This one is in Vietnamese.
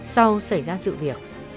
sau xảy ra sự việc